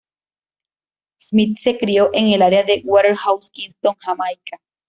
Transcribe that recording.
Smith se crio en el área de Waterhouse, Kingston, Jamaica.